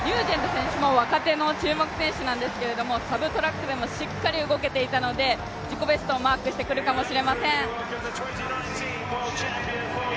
若手の注目選手なんですけど、サブトラックでもしっかり動けていたので、自己ベストをマークしてくるかもしれません。